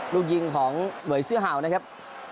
ลูกยิงของเหวยเสื้อเห่านะครับ